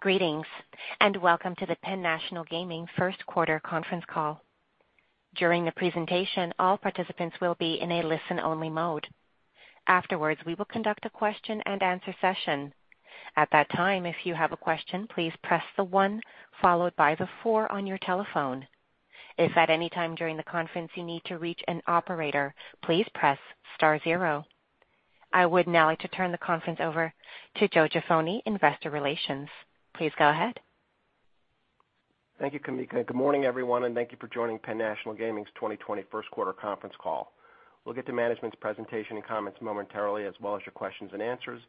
Greetings, and welcome to the PENN National Gaming First Quarter Conference Call. During the presentation, all participants will be in a listen-only mode. Afterwards, we will conduct a question and answer session. At that time, if you have a question, please press the one followed by the four on your telephone. If at any time during the conference you need to reach an operator, please press star zero. I would now like to turn the conference over to Joe Jaffoni, Investor Relations. Please go ahead. Thank you, Kamika. Good morning, everyone, and thank you for joining PENN National Gaming's 2020 first quarter conference call. We'll get to management's presentation and comments momentarily, as well as your questions and answers.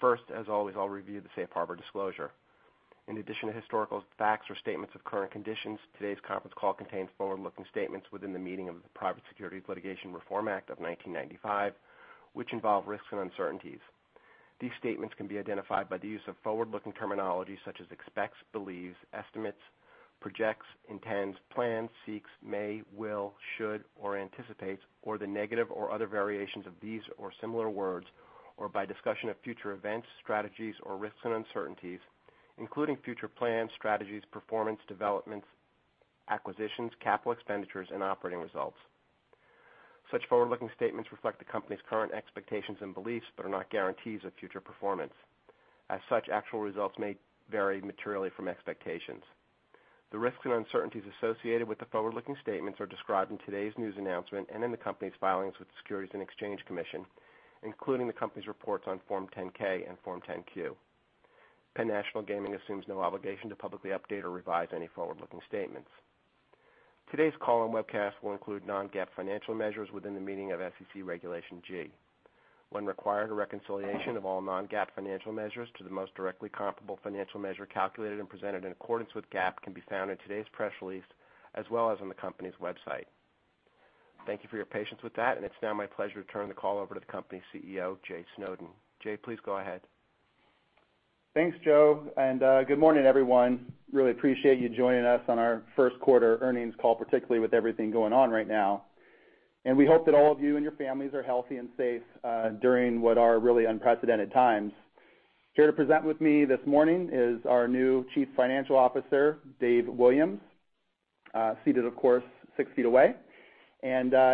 First, as always, I'll review the safe harbor disclosure. In addition to historical facts or statements of current conditions, today's conference call contains forward-looking statements within the meaning of the Private Securities Litigation Reform Act of 1995, which involve risks and uncertainties. These statements can be identified by the use of forward-looking terminology such as expects, believes, estimates, projects, intends, plans, seeks, may, will, should, or anticipates, or the negative or other variations of these or similar words, or by discussion of future events, strategies, or risks and uncertainties, including future plans, strategies, performance, developments, acquisitions, capital expenditures, and operating results. Such forward-looking statements reflect the company's current expectations and beliefs but are not guarantees of future performance. As such, actual results may vary materially from expectations. The risks and uncertainties associated with the forward-looking statements are described in today's news announcement and in the company's filings with the Securities and Exchange Commission, including the company's reports on Form 10-K and Form 10-Q. PENN National Gaming assumes no obligation to publicly update or revise any forward-looking statements. Today's call and webcast will include non-GAAP financial measures within the meaning of SEC Regulation G. When required, a reconciliation of all non-GAAP financial measures to the most directly comparable financial measure calculated and presented in accordance with GAAP can be found in today's press release, as well as on the company's website. Thank you for your patience with that. It's now my pleasure to turn the call over to the company's CEO, Jay Snowden. Jay, please go ahead. Thanks, Joe. Good morning, everyone. Really appreciate you joining us on our first quarter earnings call, particularly with everything going on right now. We hope that all of you and your families are healthy and safe during what are really unprecedented times. Here to present with me this morning is our new Chief Financial Officer, Dave Williams, seated, of course, 6 ft away.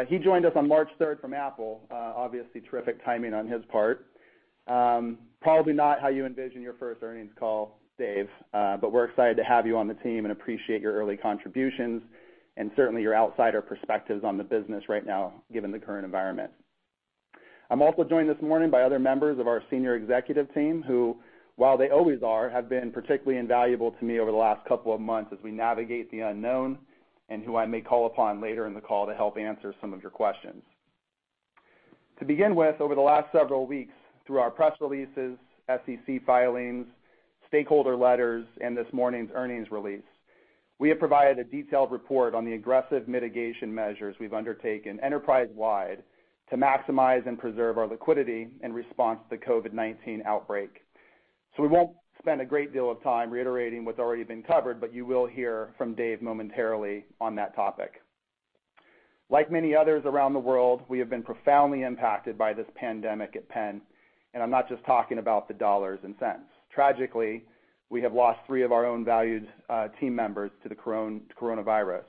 He joined us on March 3rd from Apple, obviously terrific timing on his part. Probably not how you envision your first earnings call, Dave, but we're excited to have you on the team and appreciate your early contributions and certainly your outsider perspectives on the business right now, given the current environment. I'm also joined this morning by other members of our senior executive team, who, while they always are, have been particularly invaluable to me over the last couple of months as we navigate the unknown, and who I may call upon later in the call to help answer some of your questions. To begin with, over the last several weeks, through our press releases, SEC filings, stakeholder letters, and this morning's earnings release, we have provided a detailed report on the aggressive mitigation measures we've undertaken enterprise-wide to maximize and preserve our liquidity in response to the COVID-19 outbreak. We won't spend a great deal of time reiterating what's already been covered, but you will hear from Dave momentarily on that topic. Like many others around the world, we have been profoundly impacted by this pandemic at PENN, and I'm not just talking about the dollars and cents. Tragically, we have lost three of our own valued team members to the coronavirus.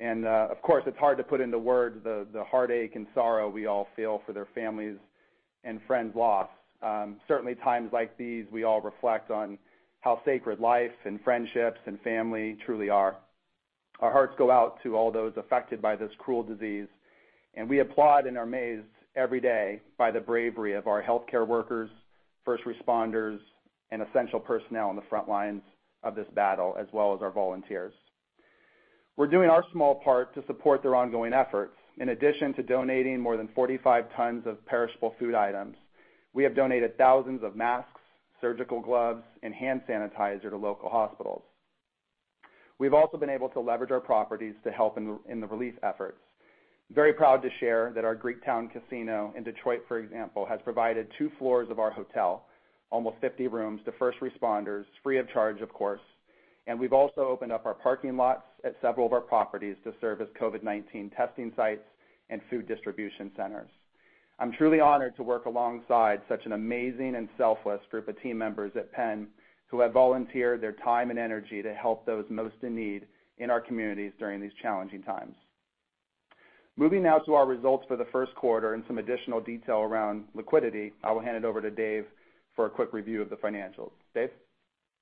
Of course, it's hard to put into words the heartache and sorrow we all feel for their families and friends lost. Certainly, times like these, we all reflect on how sacred life and friendships and family truly are. Our hearts go out to all those affected by this cruel disease, and we applaud and are amazed every day by the bravery of our healthcare workers, first responders, and essential personnel on the front lines of this battle, as well as our volunteers. We're doing our small part to support their ongoing efforts. In addition to donating more than 45 tons of perishable food items, we have donated thousands of masks, surgical gloves, and hand sanitizer to local hospitals. We've also been able to leverage our properties to help in the relief efforts. Very proud to share that our Greektown Casino in Detroit, for example, has provided two floors of our hotel, almost 50 rooms, to first responders, free of charge, of course, and we've also opened up our parking lots at several of our properties to serve as COVID-19 testing sites and food distribution centers. I'm truly honored to work alongside such an amazing and selfless group of team members at PENN who have volunteered their time and energy to help those most in need in our communities during these challenging times. Moving now to our results for the first quarter and some additional detail around liquidity, I will hand it over to Dave for a quick review of the financials. Dave?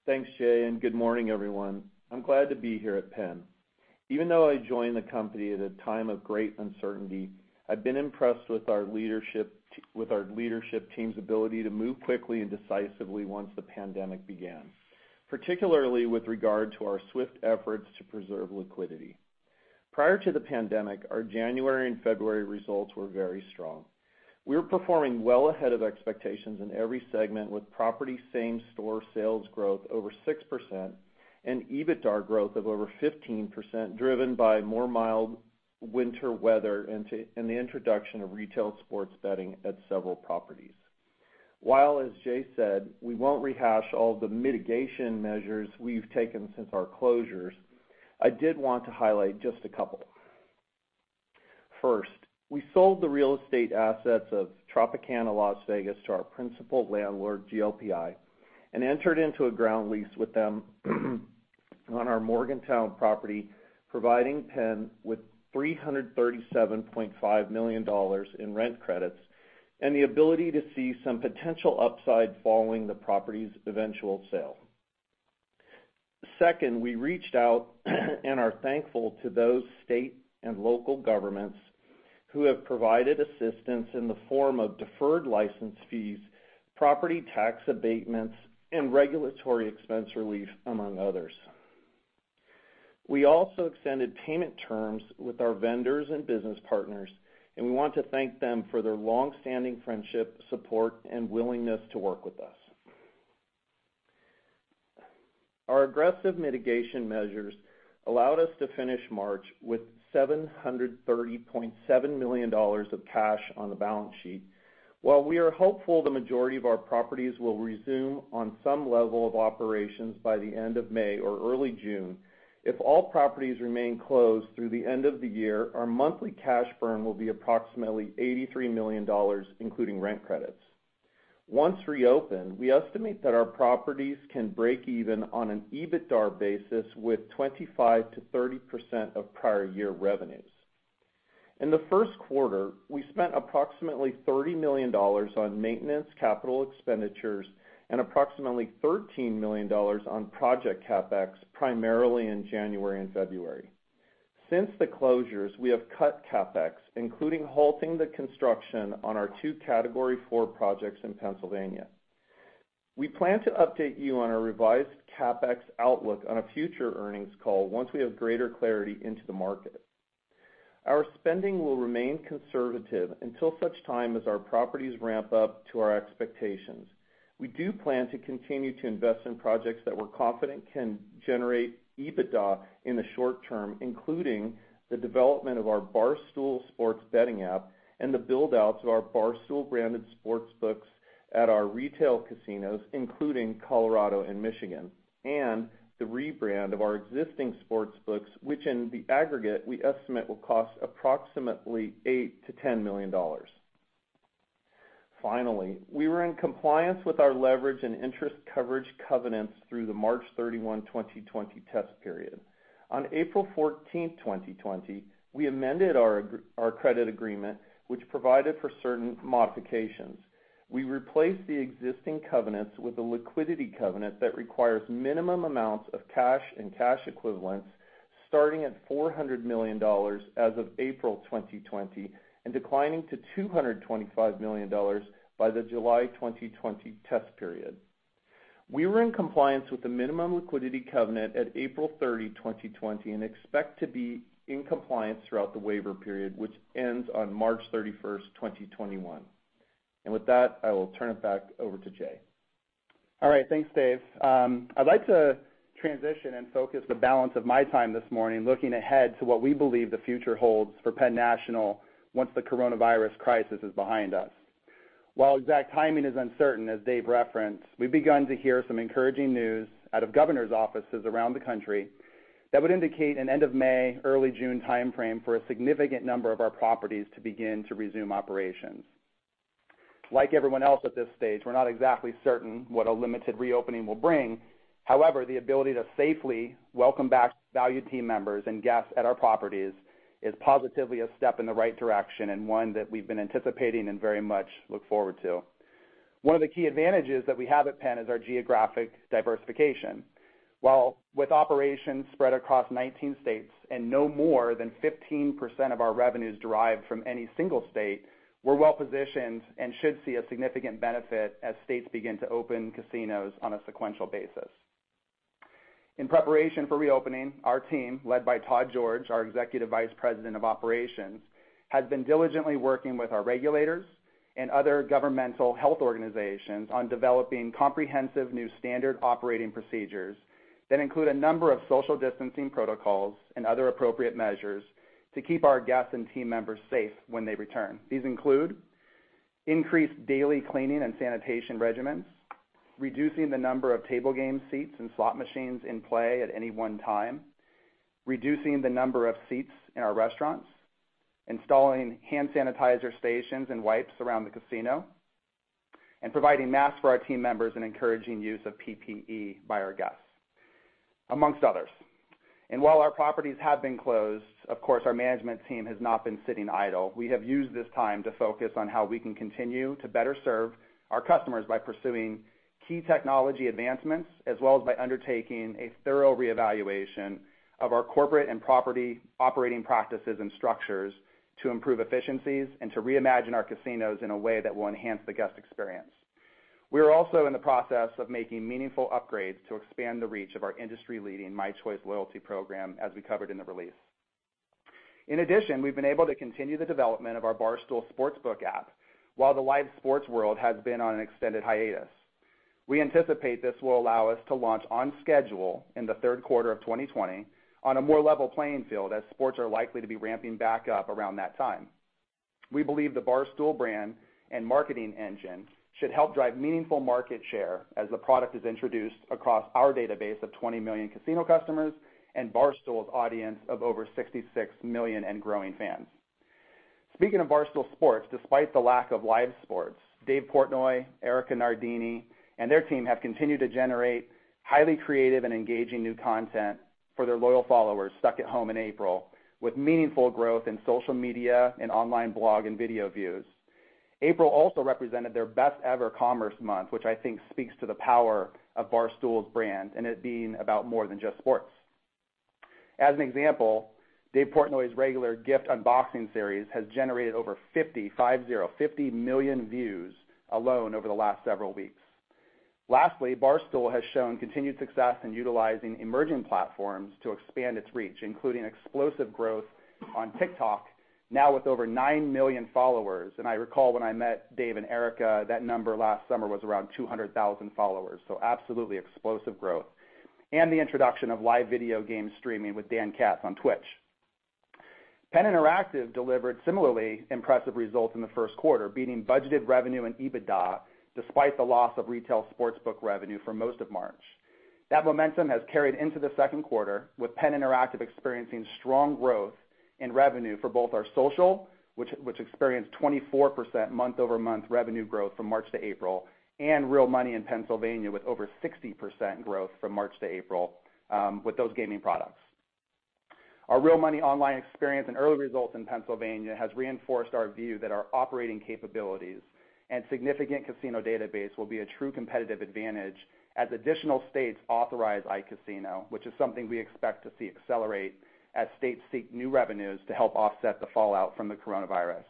Thanks, Jay, good morning, everyone. I'm glad to be here at PENN. Even though I joined the company at a time of great uncertainty, I've been impressed with our leadership team's ability to move quickly and decisively once the pandemic began, particularly with regard to our swift efforts to preserve liquidity. Prior to the pandemic, our January and February results were very strong. We were performing well ahead of expectations in every segment, with property same-store sales growth over 6% and EBITDA growth of over 15%, driven by more mild winter weather and the introduction of retail sports betting at several properties. While, as Jay said, we won't rehash all the mitigation measures we've taken since our closures, I did want to highlight just a couple. First, we sold the real estate assets of Tropicana Las Vegas to our principal landlord, GLPI, and entered into a ground lease with them on our Morgantown property, providing PENN with $337.5 million in rent credits and the ability to see some potential upside following the property's eventual sale. Second, we reached out and are thankful to those state and local governments who have provided assistance in the form of deferred license fees, property tax abatements, and regulatory expense relief, among others. We also extended payment terms with our vendors and business partners, and we want to thank them for their longstanding friendship, support, and willingness to work with us. Our aggressive mitigation measures allowed us to finish March with $730.7 million of cash on the balance sheet. While we are hopeful the majority of our properties will resume on some level of operations by the end of May or early June, if all properties remain closed through the end of the year, our monthly cash burn will be approximately $83 million, including rent credits. Once reopened, we estimate that our properties can break even on an EBITDA basis with 25%-30% of prior year revenues. In the first quarter, we spent approximately $30 million on maintenance, capital expenditures, and approximately $13 million on project CapEx, primarily in January and February. Since the closures, we have cut CapEx, including halting the construction on our two Category four projects in Pennsylvania. We plan to update you on our revised CapEx outlook on a future earnings call once we have greater clarity into the market. Our spending will remain conservative until such time as our properties ramp up to our expectations. We do plan to continue to invest in projects that we're confident can generate EBITDA in the short term, including the development of our Barstool Sports betting app and the build-outs of our Barstool-branded sportsbooks at our retail casinos, including Colorado and Michigan, and the rebrand of our existing sportsbooks, which in the aggregate, we estimate will cost approximately $8 million-$10 million. Finally, we were in compliance with our leverage and interest coverage covenants through the March 31, 2020 test period. On April 14, 2020, we amended our credit agreement, which provided for certain modifications. We replaced the existing covenants with a liquidity covenant that requires minimum amounts of cash and cash equivalents, starting at $400 million as of April 2020 and declining to $225 million by the July 2020 test period. We were in compliance with the minimum liquidity covenant at April 30, 2020, and expect to be in compliance throughout the waiver period, which ends on March 31st, 2021. With that, I will turn it back over to Jay. All right. Thanks, Dave. I'd like to transition and focus the balance of my time this morning looking ahead to what we believe the future holds for Penn National once the coronavirus crisis is behind us. While exact timing is uncertain, as Dave referenced, we've begun to hear some encouraging news out of governors' offices around the country that would indicate an end of May, early June timeframe for a significant number of our properties to begin to resume operations. Like everyone else at this stage, we're not exactly certain what a limited reopening will bring. However, the ability to safely welcome back valued team members and guests at our properties is positively a step in the right direction, and one that we've been anticipating and very much look forward to. One of the key advantages that we have at PENN is our geographic diversification. While with operations spread across 19 states and no more than 15% of our revenues derived from any single state, we're well-positioned and should see a significant benefit as states begin to open casinos on a sequential basis. In preparation for reopening, our team, led by Todd George, our Executive Vice President of Operations, has been diligently working with our regulators and other governmental health organizations on developing comprehensive new standard operating procedures that include a number of social distancing protocols and other appropriate measures to keep our guests and team members safe when they return. These include increased daily cleaning and sanitation regimens, reducing the number of table game seats and slot machines in play at any one time, reducing the number of seats in our restaurants, installing hand sanitizer stations and wipes around the casino, and providing masks for our team members and encouraging use of PPE by our guests, amongst others. While our properties have been closed, of course, our management team has not been sitting idle. We have used this time to focus on how we can continue to better serve our customers by pursuing key technology advancements as well as by undertaking a thorough reevaluation of our corporate and property operating practices and structures to improve efficiencies and to reimagine our casinos in a way that will enhance the guest experience. We are also in the process of making meaningful upgrades to expand the reach of our industry-leading mychoice loyalty program, as we covered in the release. In addition, we've been able to continue the development of our Barstool Sportsbook app while the live sports world has been on an extended hiatus. We anticipate this will allow us to launch on schedule in the third quarter of 2020 on a more level playing field, as sports are likely to be ramping back up around that time. We believe the Barstool brand and marketing engine should help drive meaningful market share as the product is introduced across our database of 20 million casino customers and Barstool's audience of over 66 million and growing fans. Speaking of Barstool Sports, despite the lack of live sports, Dave Portnoy, Erika Nardini, and their team have continued to generate highly creative and engaging new content for their loyal followers stuck at home in April, with meaningful growth in social media and online blog and video views. April also represented their best-ever commerce month, which I think speaks to the power of Barstool's brand and it being about more than just sports. As an example, Dave Portnoy's regular gift unboxing series has generated over 50 million views alone over the last several weeks. Lastly, Barstool has shown continued success in utilizing emerging platforms to expand its reach, including explosive growth on TikTok, now with over 9 million followers. I recall when I met Dave and Erika, that number last summer was around 200,000 followers, so absolutely explosive growth. The introduction of live video game streaming with Dan Katz on Twitch. Penn Interactive delivered similarly impressive results in the first quarter, beating budgeted revenue and EBITDA, despite the loss of retail sports book revenue for most of March. That momentum has carried into the second quarter, with Penn Interactive experiencing strong growth in revenue for both our social, which experienced 24% month-over-month revenue growth from March to April, and real money in Pennsylvania with over 60% growth from March to April with those gaming products. Our real money online experience and early results in Pennsylvania has reinforced our view that our operating capabilities and significant casino database will be a true competitive advantage as additional states authorize iCasino, which is something we expect to see accelerate as states seek new revenues to help offset the fallout from the coronavirus.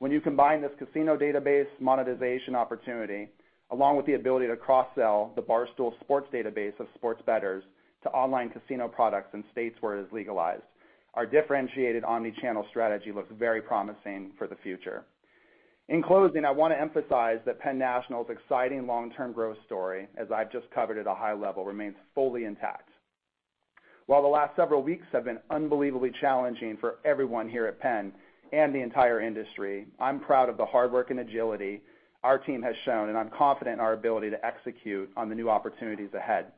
When you combine this casino database monetization opportunity, along with the ability to cross-sell the Barstool Sports database of sports bettors to online casino products in states where it is legalized, our differentiated omni-channel strategy looks very promising for the future. In closing, I want to emphasize that PENN National's exciting long-term growth story, as I've just covered at a high level, remains fully intact. While the last several weeks have been unbelievably challenging for everyone here at PENN and the entire industry, I'm proud of the hard work and agility our team has shown, and I'm confident in our ability to execute on the new opportunities ahead.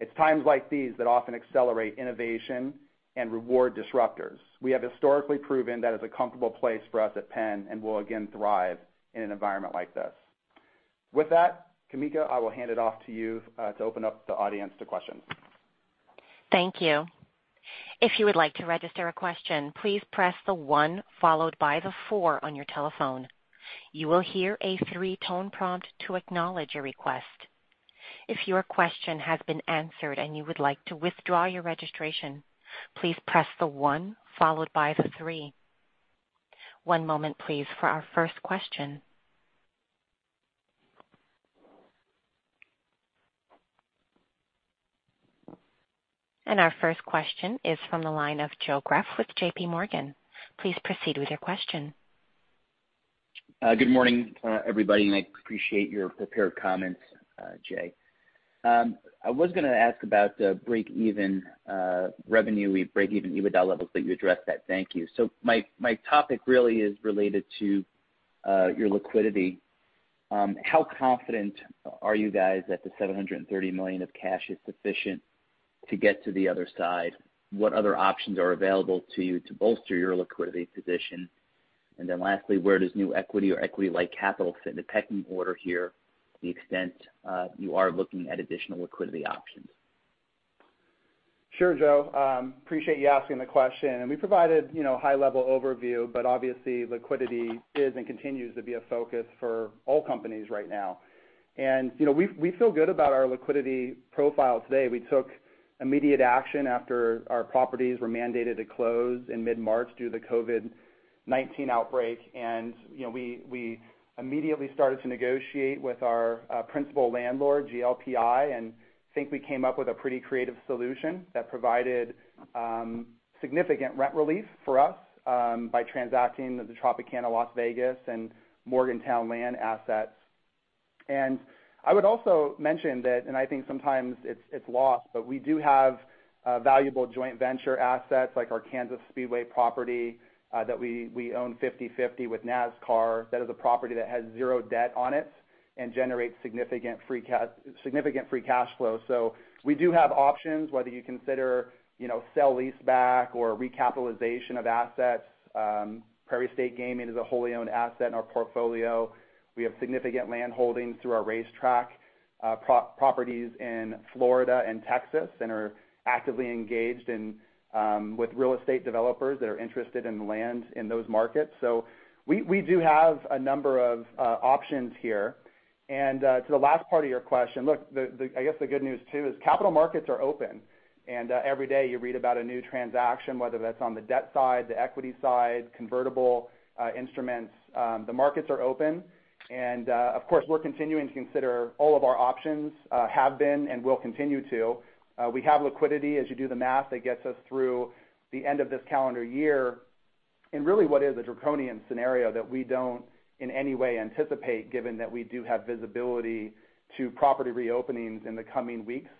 It's times like these that often accelerate innovation and reward disruptors. We have historically proven that is a comfortable place for us at PENN and will again thrive in an environment like this. With that, Kamika, I will hand it off to you to open up the audience to questions. Thank you. If you would like to register a question, please press the one followed by the four on your telephone. You will hear a three-tone prompt to acknowledge your request. If your question has been answered and you would like to withdraw your registration, please press the one followed by the three. One moment, please, for our first question. Our first question is from the line of Joe Greff with J.P. Morgan. Please proceed with your question. Good morning, everybody. I appreciate your prepared comments, Jay. I was going to ask about the break-even revenue, break-even EBITDA levels, but you addressed that. Thank you. My topic really is related to your liquidity. How confident are you guys that the $730 million of cash is sufficient to get to the other side? What other options are available to you to bolster your liquidity position? Lastly, where does new equity or equity-like capital fit in the pecking order here to the extent you are looking at additional liquidity options? Sure, Joe. Appreciate you asking the question. We provided a high-level overview, but obviously, liquidity is and continues to be a focus for all companies right now. We feel good about our liquidity profile today. We took immediate action after our properties were mandated to close in mid-March due to the COVID-19 outbreak. We immediately started to negotiate with our principal landlord, GLPI, and think we came up with a pretty creative solution that provided significant rent relief for us by transacting the Tropicana Las Vegas and Morgantown land assets. I would also mention that, and I think sometimes it's lost, but we do have valuable joint venture assets like our Kansas Speedway property that we own 50/50 with NASCAR. That is a property that has zero debt on it and generates significant free cash flow. We do have options, whether you consider sell lease back or recapitalization of assets. Prairie State Gaming is a wholly owned asset in our portfolio. We have significant land holdings through our racetrack properties in Florida and Texas and are actively engaged with real estate developers that are interested in land in those markets. We do have a number of options here. To the last part of your question, look, I guess the good news, too, is capital markets are open, and every day, you read about a new transaction, whether that's on the debt side, the equity side, convertible instruments. The markets are open, and of course, we're continuing to consider all of our options, have been, and will continue to. We have liquidity. As you do the math, that gets us through the end of this calendar year. In really what is a draconian scenario that we don't in any way anticipate, given that we do have visibility to property reopenings in the coming weeks,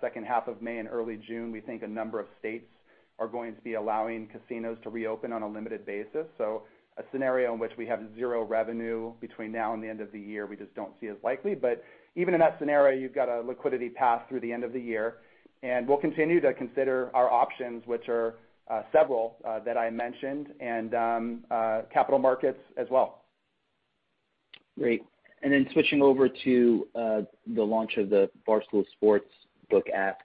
second half of May and early June. We think a number of states are going to be allowing casinos to reopen on a limited basis. A scenario in which we have zero revenue between now and the end of the year, we just don't see as likely. Even in that scenario, you've got a liquidity pass through the end of the year, and we'll continue to consider our options, which are several that I mentioned, and capital markets as well. Great. Switching over to the launch of the Barstool sportsbook app.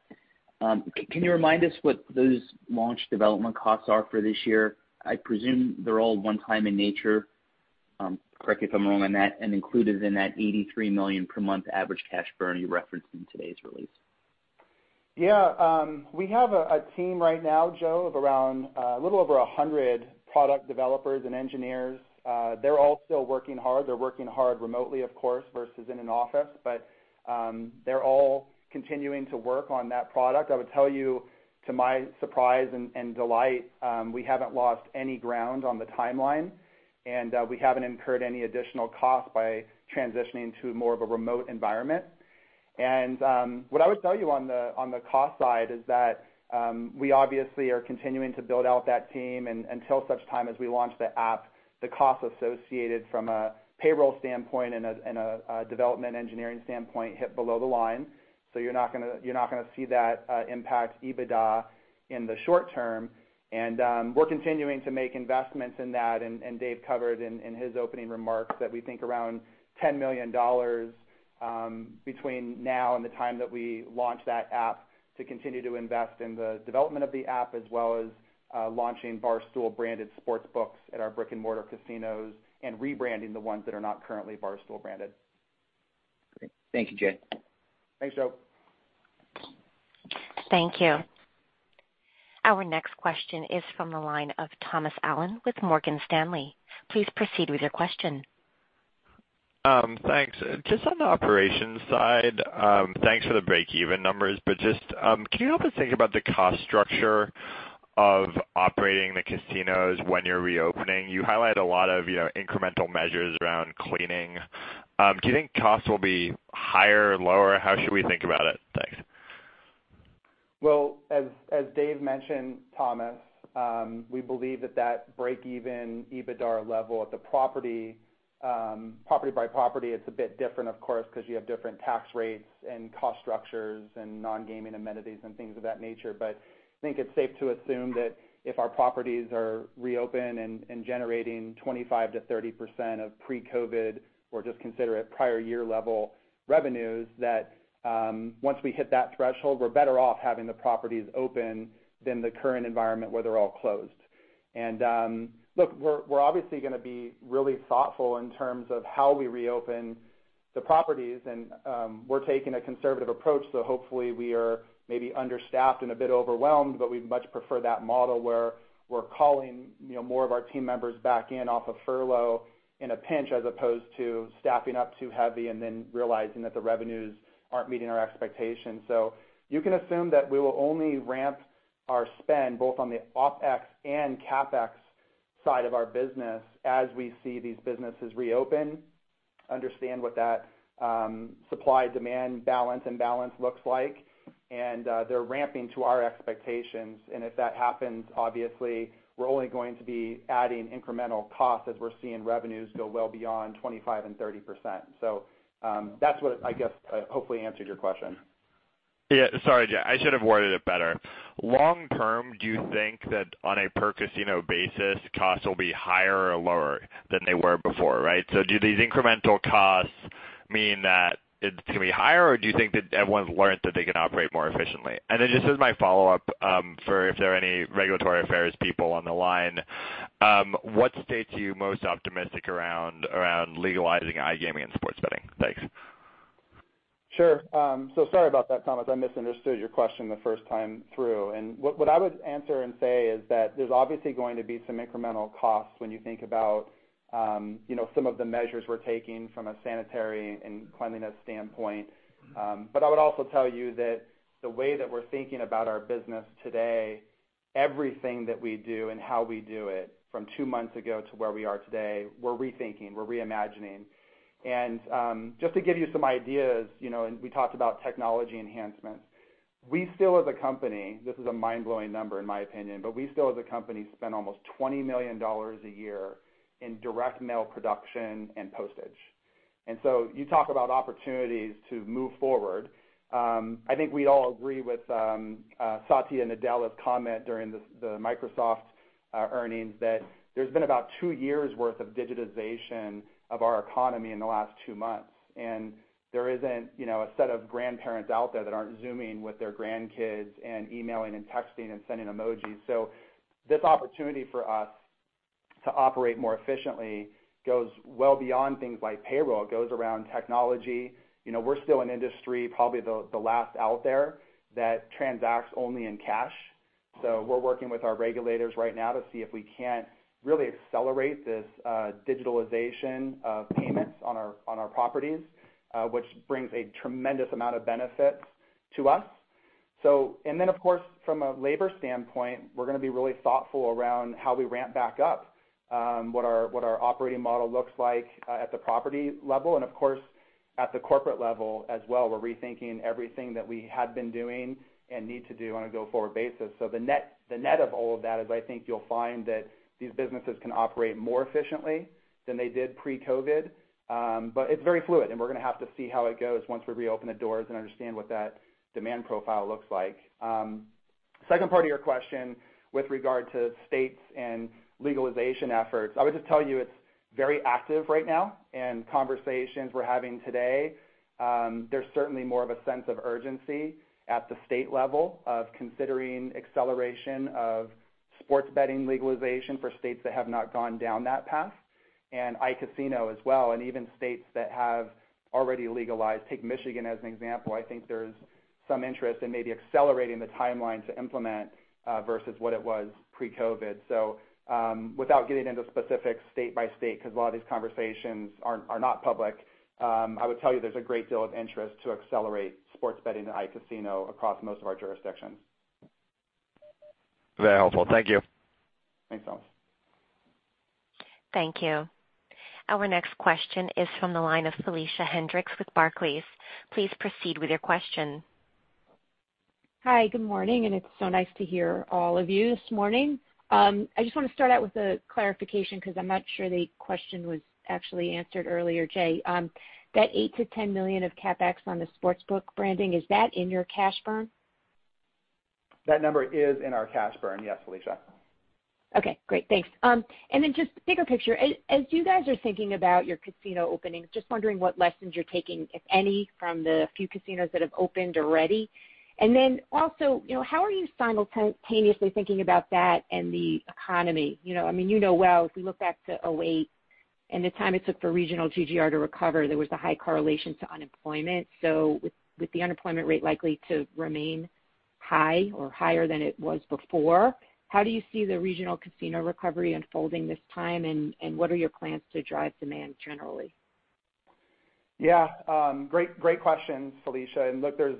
Can you remind us what those launch development costs are for this year? I presume they're all one-time in nature, correct me if I'm wrong on that, and included in that $83 million per month average cash burn you referenced in today's release. Yeah. We have a team right now, Joe, of around a little over 100 product developers and engineers. They're all still working hard. They're working hard remotely, of course, versus in an office. They're all continuing to work on that product. I would tell you, to my surprise and delight, we haven't lost any ground on the timeline, and we haven't incurred any additional cost by transitioning to more of a remote environment. What I would tell you on the cost side is that, we obviously are continuing to build out that team, and until such time as we launch the app, the cost associated from a payroll standpoint and a development engineering standpoint hit below the line. You're not going to see that impact EBITDA in the short term. We're continuing to make investments in that, and Dave covered in his opening remarks that we think around $10 million between now and the time that we launch that app to continue to invest in the development of the app, as well as launching Barstool-branded sportsbooks at our brick-and-mortar casinos and rebranding the ones that are not currently Barstool branded. Great. Thank you, Jay. Thanks, Joe. Thank you. Our next question is from the line of Thomas Allen with Morgan Stanley. Please proceed with your question. Thanks. Just, can you help us think about the cost structure of operating the casinos when you're reopening? You highlight a lot of incremental measures around cleaning. Do you think costs will be higher or lower? How should we think about it? Thanks. Well, as Dave mentioned, Thomas, we believe that that break-even EBITDA level at the property by property, it's a bit different, of course, because you have different tax rates and cost structures and non-gaming amenities and things of that nature. I think it's safe to assume that if our properties are reopened and generating 25%-30% of pre-COVID, or just consider it prior year level revenues, that once we hit that threshold, we're better off having the properties open than the current environment where they're all closed. Look, we're obviously going to be really thoughtful in terms of how we reopen the properties, and we're taking a conservative approach. Hopefully, we are maybe understaffed and a bit overwhelmed, but we much prefer that model where we're calling more of our team members back in off of furlough in a pinch, as opposed to staffing up too heavy and then realizing that the revenues aren't meeting our expectations. You can assume that we will only ramp our spend both on the OpEx and CapEx side of our business as we see these businesses reopen, understand what that supply-demand balance and balance looks like, and they're ramping to our expectations. If that happens, obviously, we're only going to be adding incremental cost as we're seeing revenues go well beyond 25% and 30%. That's what, I guess, hopefully answered your question. Sorry, Jay, I should have worded it better. Long term, do you think that on a per casino basis, costs will be higher or lower than they were before, right? Do these incremental costs mean that it's going to be higher, or do you think that everyone's learned that they can operate more efficiently? Just as my follow-up, for if there are any regulatory affairs people on the line, what states are you most optimistic around legalizing iGaming and sports betting? Thanks. Sure. Sorry about that, Thomas. I misunderstood your question the first time through. What I would answer and say is that there's obviously going to be some incremental costs when you think about some of the measures we're taking from a sanitary and cleanliness standpoint. I would also tell you that the way that we're thinking about our business today, everything that we do and how we do it from two months ago to where we are today, we're rethinking, we're reimagining. Just to give you some ideas, we talked about technology enhancements. We still, as a company, this is a mind-blowing number in my opinion, but we still, as a company, spend almost $20 million a year in direct mail production and postage. You talk about opportunities to move forward. I think we'd all agree with Satya Nadella's comment during the Microsoft earnings that there's been about two years' worth of digitization of our economy in the last two months. There isn't a set of grandparents out there that aren't Zooming with their grandkids and emailing and texting and sending emojis. This opportunity for us to operate more efficiently goes well beyond things like payroll. It goes around technology. We're still an industry, probably the last out there, that transacts only in cash. We're working with our regulators right now to see if we can't really accelerate this digitalization of payments on our properties, which brings a tremendous amount of benefit to us. Of course, from a labor standpoint, we're going to be really thoughtful around how we ramp back up, what our operating model looks like at the property level, and of course, at the corporate level as well. We're rethinking everything that we had been doing and need to do on a go-forward basis. The net of all of that is I think you'll find that these businesses can operate more efficiently than they did pre-COVID. It's very fluid, and we're going to have to see how it goes once we reopen the doors and understand what that demand profile looks like. Second part of your question with regard to states and legalization efforts, I would just tell you it's very active right now. Conversations we're having today, there's certainly more of a sense of urgency at the state level of considering acceleration of sports betting legalization for states that have not gone down that path and iCasino as well, and even states that have already legalized. Take Michigan as an example. I think there's some interest in maybe accelerating the timeline to implement, versus what it was pre-COVID. Without getting into specifics state by state, because a lot of these conversations are not public, I would tell you there's a great deal of interest to accelerate sports betting and iCasino across most of our jurisdictions. Very helpful. Thank you. Thanks, Thomas. Thank you. Our next question is from the line of Felicia Hendrix with Barclays. Please proceed with your question. Hi, good morning. It's so nice to hear all of you this morning. I just want to start out with a clarification because I'm not sure the question was actually answered earlier, Jay. That $8 million-$10 million of CapEx on the sportsbook branding, is that in your cash burn? That number is in our cash burn. Yes, Felicia. Okay, great. Thanks. Then just bigger picture, as you guys are thinking about your casino openings, just wondering what lessons you're taking, if any, from the few casinos that have opened already. Then also, how are you simultaneously thinking about that and the economy? You know well, if we look back to 2008 and the time it took for regional GGR to recover, there was a high correlation to unemployment. With the unemployment rate likely to remain high or higher than it was before, how do you see the regional casino recovery unfolding this time, and what are your plans to drive demand generally? Yeah. Great questions, Felicia. Look, there's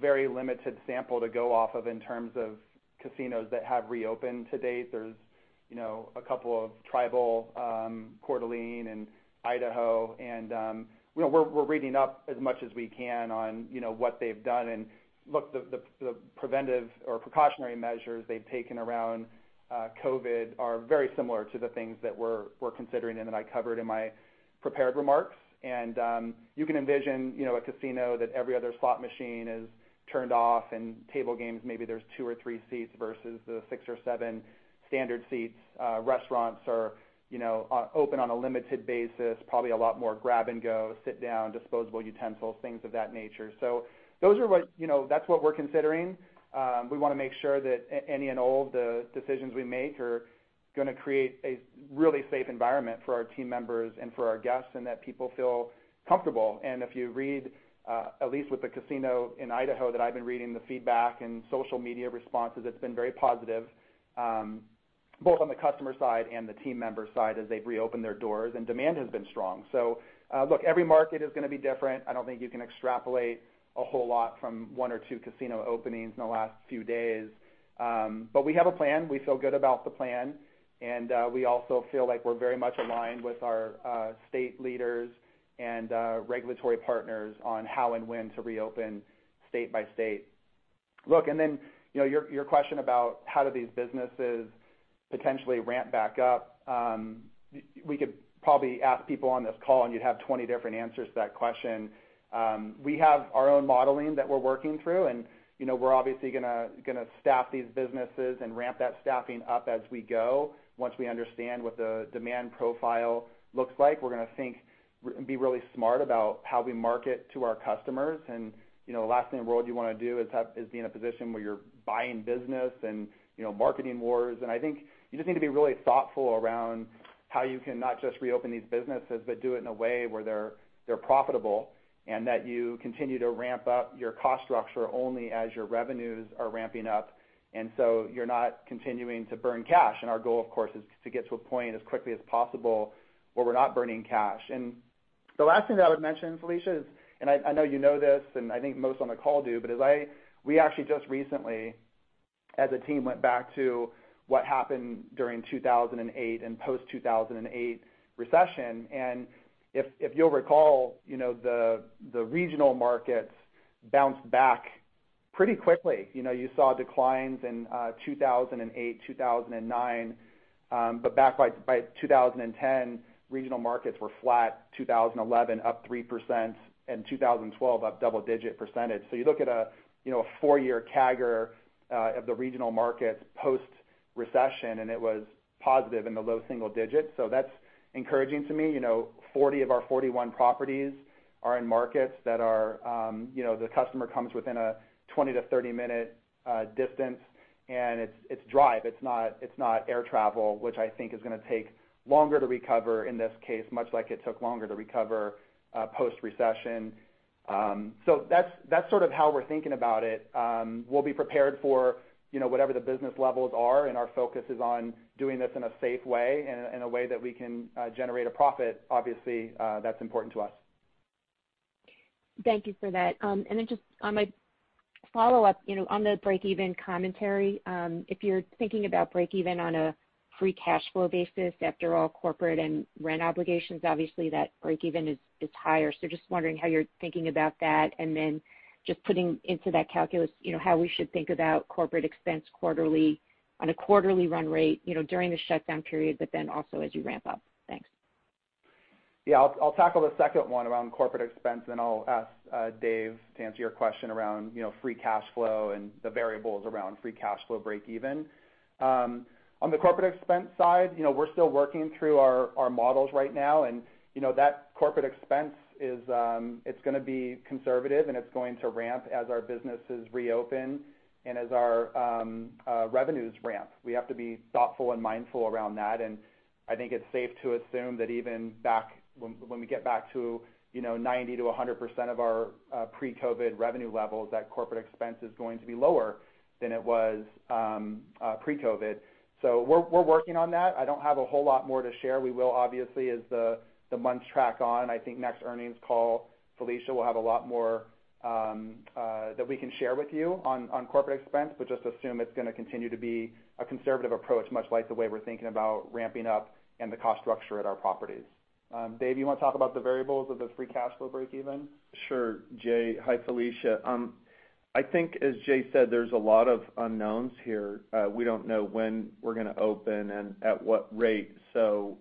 very limited sample to go off of in terms of casinos that have reopened to date. There's a couple of tribal, Coeur d'Alene in Idaho. We're reading up as much as we can on what they've done. Look, the preventive or precautionary measures they've taken around COVID are very similar to the things that we're considering and that I covered in my prepared remarks. You can envision a casino that every other slot machine is turned off, and table games, maybe there's two or three seats versus the six or seven standard seats. Restaurants are open on a limited basis, probably a lot more grab and go, sit down, disposable utensils, things of that nature. That's what we're considering. We want to make sure that any and all of the decisions we make are going to create a really safe environment for our team members and for our guests, and that people feel comfortable. If you read, at least with the casino in Idaho that I've been reading the feedback and social media responses, it's been very positive, both on the customer side and the team member side as they've reopened their doors, and demand has been strong. Look, every market is going to be different. I don't think you can extrapolate a whole lot from one or two casino openings in the last few days. We have a plan. We feel good about the plan, and we also feel like we're very much aligned with our state leaders and regulatory partners on how and when to reopen state by state. Look, then your question about how do these businesses potentially ramp back up. We could probably ask people on this call and you'd have 20 different answers to that question. We have our own modeling that we're working through, we're obviously going to staff these businesses and ramp that staffing up as we go. Once we understand what the demand profile looks like, we're going to think and be really smart about how we market to our customers. The last thing in the world you want to do is be in a position where you're buying business and marketing wars. I think you just need to be really thoughtful around how you can not just reopen these businesses, but do it in a way where they're profitable and that you continue to ramp up your cost structure only as your revenues are ramping up. You're not continuing to burn cash. Our goal, of course, is to get to a point as quickly as possible where we're not burning cash. The last thing that I would mention, Felicia, is, and I know you know this, and I think most on the call do, but we actually just recently, as a team, went back to what happened during 2008 and post-2008 recession. If you'll recall, the regional markets bounced back pretty quickly. You saw declines in 2008, 2009. Back by 2010, regional markets were flat, 2011 up 3%, and 2012 up double-digit percentage. You look at a four-year CAGR of the regional markets post-recession, and it was positive in the low single digits. That's encouraging to me. 40 of our 41 properties are in markets that the customer comes within a 20- to 30-minute distance, and it's drive. It's not air travel, which I think is going to take longer to recover in this case, much like it took longer to recover post-recession. That's sort of how we're thinking about it. We'll be prepared for whatever the business levels are, and our focus is on doing this in a safe way and in a way that we can generate a profit. Obviously, that's important to us. Thank you for that. Then just on my follow-up, on the break-even commentary, if you're thinking about break-even on a free cash flow basis after all corporate and rent obligations, obviously that break-even is higher. Just wondering how you're thinking about that, and then just putting into that calculus, how we should think about corporate expense on a quarterly run rate, during the shutdown period, but then also as you ramp up. Thanks. I'll tackle the second one around corporate expense and then I'll ask Dave Williams to answer your question around free cash flow and the variables around free cash flow break even. On the corporate expense side, we're still working through our models right now, that corporate expense is going to be conservative, it's going to ramp as our businesses reopen and as our revenues ramp. We have to be thoughtful and mindful around that, I think it's safe to assume that even back when we get back to 90%-100% of our pre-COVID revenue levels, that corporate expense is going to be lower than it was pre-COVID. We're working on that. I don't have a whole lot more to share. We will, obviously, as the months track on. I think next earnings call, Felicia, we'll have a lot more that we can share with you on corporate expense, but just assume it's going to continue to be a conservative approach, much like the way we're thinking about ramping up and the cost structure at our properties. Dave, you want to talk about the variables of the free cash flow break-even? Sure, Jay. Hi, Felicia. I think as Jay said, there's a lot of unknowns here. We don't know when we're going to open and at what rate.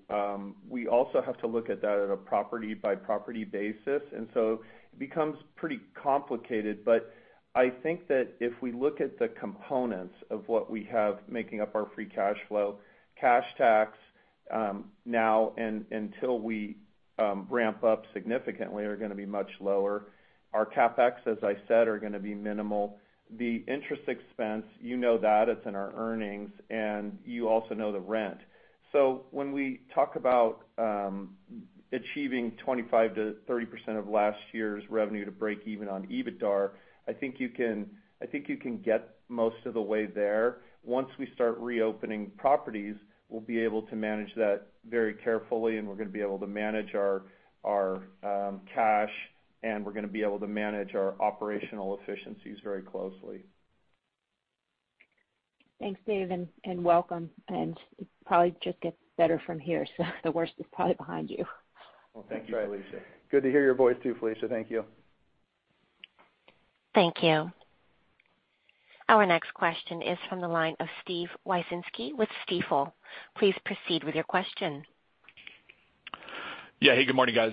We also have to look at that at a property-by-property basis, it becomes pretty complicated. I think that if we look at the components of what we have making up our free cash flow, cash tax now, and until we ramp up significantly, are going to be much lower. Our CapEx, as I said, are going to be minimal. The interest expense, you know that, it's in our earnings, and you also know the rent. When we talk about achieving 25%-30% of last year's revenue to break even on EBITDAR, I think you can get most of the way there. Once we start reopening properties, we'll be able to manage that very carefully, and we're going to be able to manage our cash, and we're going to be able to manage our operational efficiencies very closely. Thanks, Dave, and welcome. It probably just gets better from here, so the worst is probably behind you. Well, thank you, Felicia. That's right. Good to hear your voice too, Felicia. Thank you. Thank you. Our next question is from the line of Steve Wieczynski with Stifel. Please proceed with your question. Yeah. Hey, good morning, guys.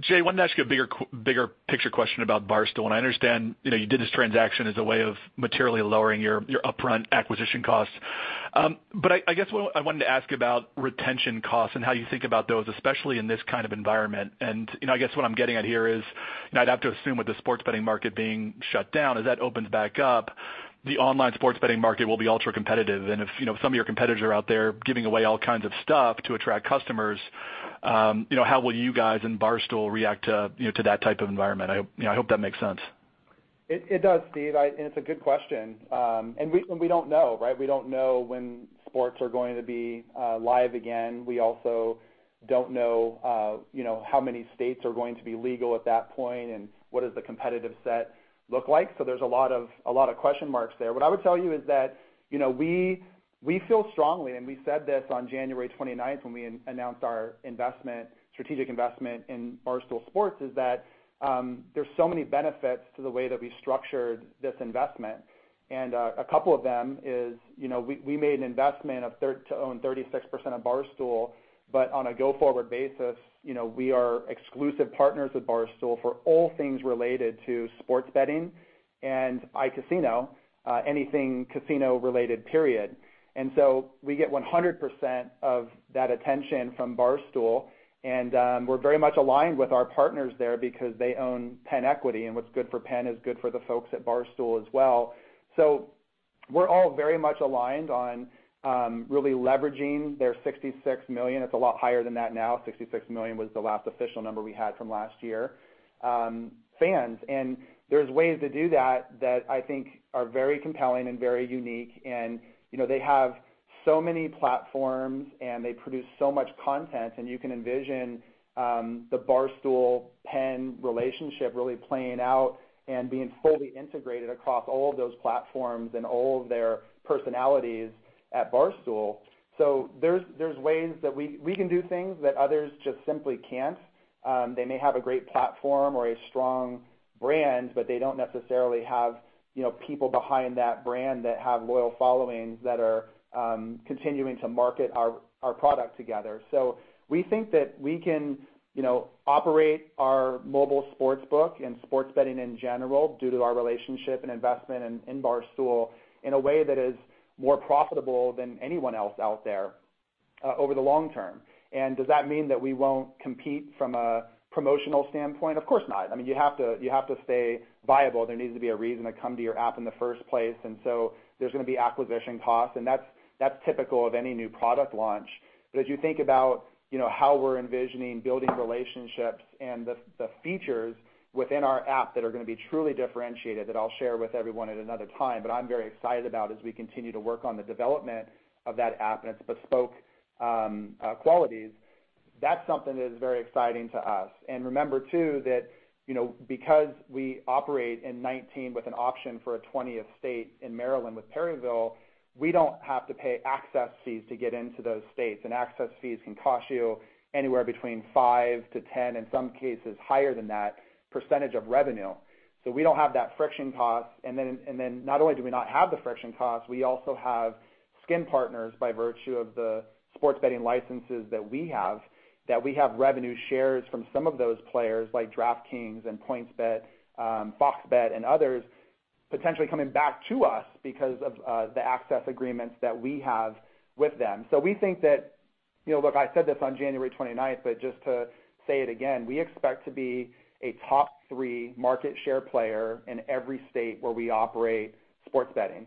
Jay, wanted to ask you a bigger picture question about Barstool, and I understand you did this transaction as a way of materially lowering your upfront acquisition costs. I guess what I wanted to ask about retention costs and how you think about those, especially in this kind of environment. I guess what I'm getting at here is, and I'd have to assume with the sports betting market being shut down, as that opens back up, the online sports betting market will be ultra-competitive. If some of your competitors are out there giving away all kinds of stuff to attract customers, how will you guys and Barstool react to that type of environment? I hope that makes sense. It does, Steve, it's a good question. We don't know, right? We don't know when sports are going to be live again. We also don't know how many states are going to be legal at that point, and what does the competitive set look like. There's a lot of question marks there. What I would tell you is that, we feel strongly, and we said this on January 29th when we announced our strategic investment in Barstool Sports, is that there's so many benefits to the way that we structured this investment. A couple of them is, we made an investment to own 36% of Barstool. On a go-forward basis, we are exclusive partners with Barstool for all things related to sports betting and iCasino, anything casino related, period. We get 100% of that attention from Barstool, and we're very much aligned with our partners there because they own PENN equity, and what's good for PENN is good for the folks at Barstool as well. We're all very much aligned on really leveraging their $66 million. It's a lot higher than that now. $66 million was the last official number we had from last year, fans. There's ways to do that I think are very compelling and very unique. They have so many platforms, and they produce so much content, and you can envision the Barstool-PENN relationship really playing out and being fully integrated across all of those platforms and all of their personalities at Barstool. There's ways that we can do things that others just simply can't. They may have a great platform or a strong brand, but they don't necessarily have people behind that brand that have loyal followings that are continuing to market our product together. We think that we can operate our mobile sportsbook and sports betting in general due to our relationship and investment in Barstool in a way that is more profitable than anyone else out there over the long term. Does that mean that we won't compete from a promotional standpoint? Of course not. I mean, you have to stay viable. There needs to be a reason to come to your app in the first place. There's going to be acquisition costs, and that's typical of any new product launch. As you think about how we're envisioning building relationships and the features within our app that are going to be truly differentiated, that I'll share with everyone at another time, but I'm very excited about as we continue to work on the development of that app and its bespoke qualities. That's something that is very exciting to us. Remember, too, that because we operate in 19 with an option for a 20th state in Maryland with Perryville, we don't have to pay access fees to get into those states. Access fees can cost you anywhere between 5%-10%, in some cases higher than that, percentage of revenue. We don't have that friction cost. Then not only do we not have the friction cost, we also have skin partners by virtue of the sports betting licenses that we have, that we have revenue shares from some of those players like DraftKings and PointsBet, FOX Bet, and others, potentially coming back to us because of the access agreements that we have with them. We think that, look, I said this on January 29th, but just to say it again, we expect to be a top three market share player in every state where we operate sports betting,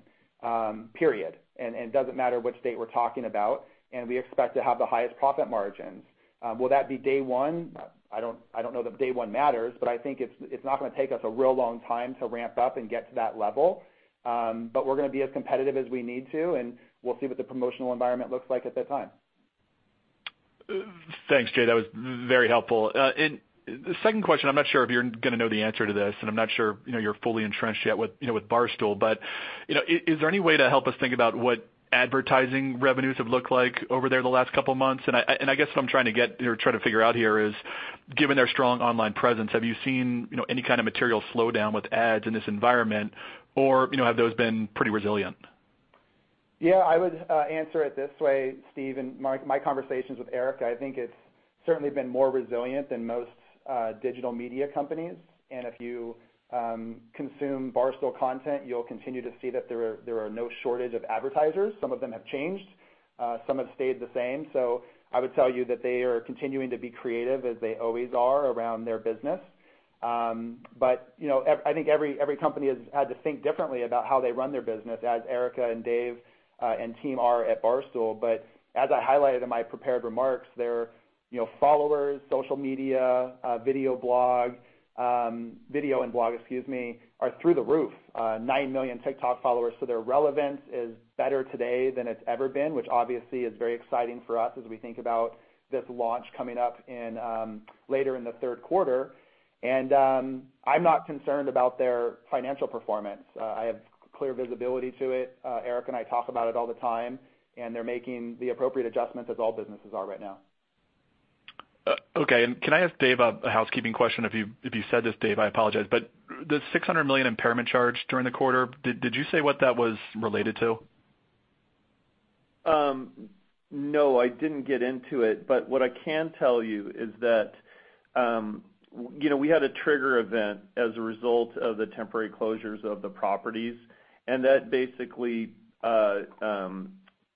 period. It doesn't matter which state we're talking about, and we expect to have the highest profit margins. Will that be day one? I don't know that day one matters, but I think it's not going to take us a real long time to ramp up and get to that level. We're going to be as competitive as we need to, and we'll see what the promotional environment looks like at that time. Thanks, Jay. That was very helpful. The second question, I'm not sure if you're going to know the answer to this, and I'm not sure you're fully entrenched yet with Barstool. Is there any way to help us think about what advertising revenues have looked like over there the last couple of months? I guess what I'm trying to figure out here is, given their strong online presence, have you seen any kind of material slowdown with ads in this environment? Have those been pretty resilient? Yeah, I would answer it this way, Steve. In my conversations with Erika, I think it's certainly been more resilient than most digital media companies. If you consume Barstool content, you'll continue to see that there are no shortage of advertisers. Some of them have changed, some have stayed the same. I would tell you that they are continuing to be creative as they always are around their business. I think every company has had to think differently about how they run their business, as Erika and Dave and team are at Barstool. As I highlighted in my prepared remarks, their followers, social media, video and blog, are through the roof. Nine million TikTok followers, their relevance is better today than it's ever been, which obviously is very exciting for us as we think about this launch coming up later in the third quarter. I'm not concerned about their financial performance. I have clear visibility to it. Erika and I talk about it all the time. They're making the appropriate adjustments as all businesses are right now. Okay, can I ask Dave a housekeeping question? If you said this, Dave, I apologize. The $600 million impairment charge during the quarter, did you say what that was related to? No, I didn't get into it. What I can tell you is that we had a trigger event as a result of the temporary closures of the properties. That basically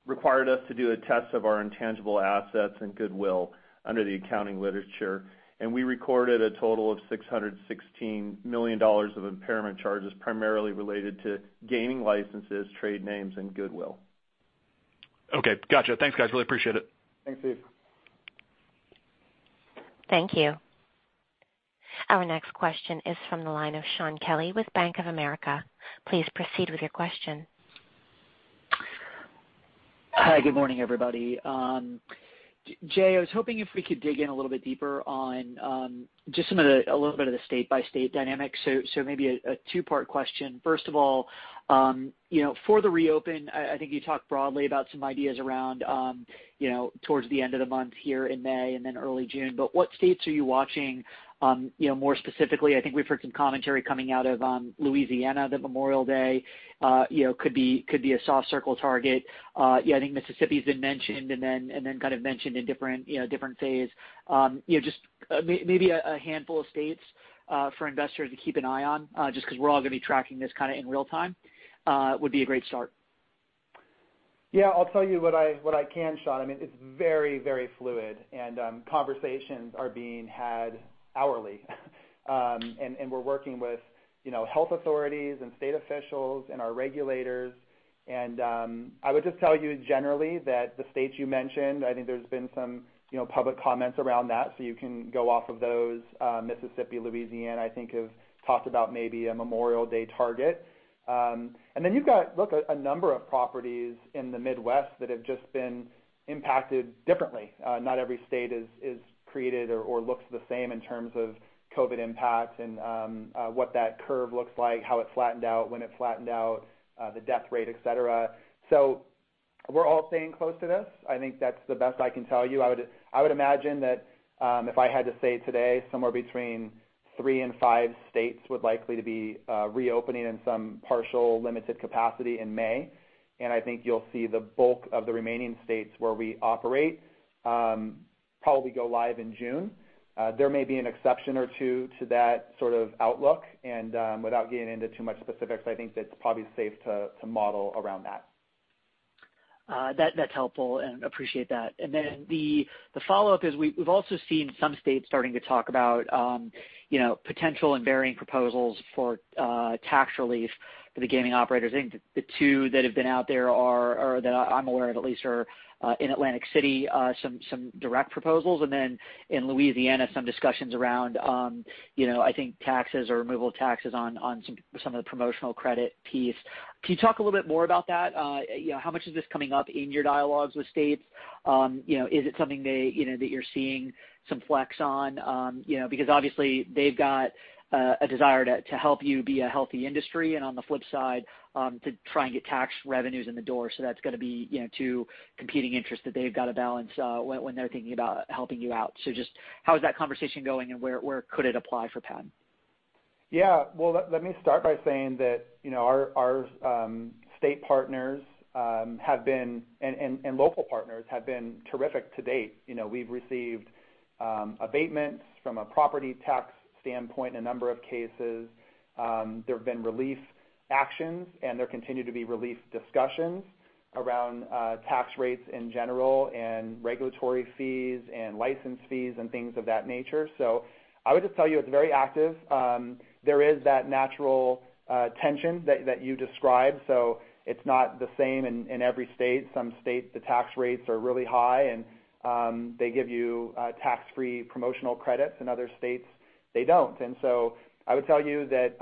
required us to do a test of our intangible assets and goodwill under the accounting literature. We recorded a total of $616 million of impairment charges, primarily related to gaming licenses, trade names, and goodwill. Okay, got you. Thanks, guys, really appreciate it. Thanks, Steve. Thank you. Our next question is from the line of Shaun Kelley with Bank of America. Please proceed with your question. Hi, good morning, everybody. Jay, I was hoping if we could dig in a little bit deeper on just a little bit of the state-by-state dynamics. Maybe a two-part question. First of all, for the reopen, I think you talked broadly about some ideas around towards the end of the month here in May and then early June. What states are you watching more specifically? I think we've heard some commentary coming out of Louisiana that Memorial Day could be a soft circle target. I think Mississippi's been mentioned, kind of mentioned in different phase. Just maybe a handful of states for investors to keep an eye on, just because we're all going to be tracking this kind of in real time, would be a great start. Yeah, I'll tell you what I can, Shaun. It's very fluid and conversations are being had hourly. We're working with health authorities and state officials and our regulators. I would just tell you generally that the states you mentioned, I think there's been some public comments around that, so you can go off of those. Mississippi, Louisiana, I think, have talked about maybe a Memorial Day target. Then you've got, look, a number of properties in the Midwest that have just been impacted differently. Not every state is created or looks the same in terms of COVID impact and what that curve looks like, how it flattened out, when it flattened out, the death rate, et cetera. We're all staying close to this. I think that's the best I can tell you. I would imagine that if I had to say today, somewhere between three and five states would likely to be reopening in some partial limited capacity in May. I think you'll see the bulk of the remaining states where we operate probably go live in June. There may be an exception or two to that sort of outlook. Without getting into too much specifics, I think that it's probably safe to model around that. That's helpful, and appreciate that. The follow-up is, we've also seen some states starting to talk about potential and varying proposals for tax relief for the gaming operators. I think the two that have been out there, or that I'm aware of at least, are in Atlantic City, some direct proposals, and then in Louisiana, some discussions around, I think taxes or removal of taxes on some of the promotional credit piece. Can you talk a little bit more about that? How much is this coming up in your dialogues with states? Is it something that you're seeing some flex on? Because obviously they've got a desire to help you be a healthy industry, and on the flip side, to try and get tax revenues in the door. That's got to be two competing interests that they've got to balance when they're thinking about helping you out. Just how is that conversation going and where could it apply for PENN? Yeah. Well, let me start by saying that our state partners have been, and local partners, have been terrific to date. We've received abatements from a property tax standpoint in a number of cases. There have been relief actions, and there continue to be relief discussions around tax rates in general and regulatory fees and license fees and things of that nature. I would just tell you it's very active. There is that natural tension that you described. It's not the same in every state. Some states, the tax rates are really high, and they give you tax-free promotional credits. In other states, they don't. I would tell you that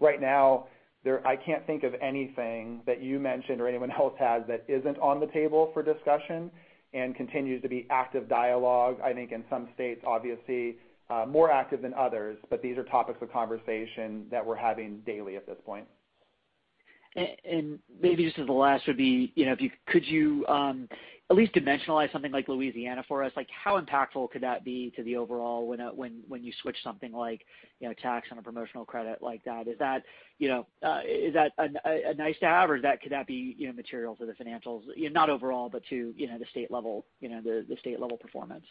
right now, I can't think of anything that you mentioned or anyone else has that isn't on the table for discussion and continues to be active dialogue. I think in some states, obviously, more active than others, but these are topics of conversation that we're having daily at this point. Maybe just as the last would be, could you at least dimensionalize something like Louisiana for us? How impactful could that be to the overall when you switch something like tax on a promotional credit like that? Is that a nice-to-have, or could that be material to the financials, not overall, but to the state level performance?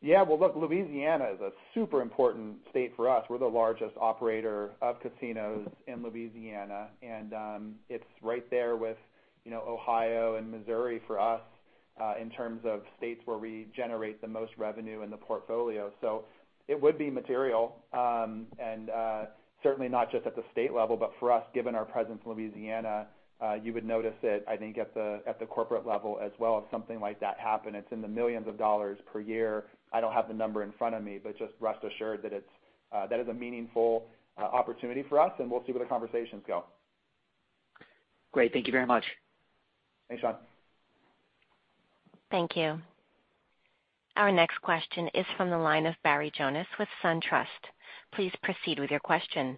Yeah. Well, look, Louisiana is a super important state for us. We're the largest operator of casinos in Louisiana, and it's right there with Ohio and Missouri for us in terms of states where we generate the most revenue in the portfolio. It would be material, and certainly not just at the state level, but for us, given our presence in Louisiana, you would notice it, I think, at the corporate level as well, if something like that happened. It's in the millions of dollars per year. I don't have the number in front of me, but just rest assured that is a meaningful opportunity for us, and we'll see where the conversations go. Great. Thank you very much. Thanks, Shaun. Thank you. Our next question is from the line of Barry Jonas with SunTrust. Please proceed with your question.